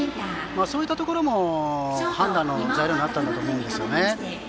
そういったところも判断の材料になったと思うんですね。